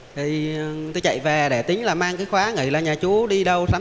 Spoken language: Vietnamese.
thì tôi chạy về để tính là mang cái khóa nghĩ là nhà chú đi đâu lắm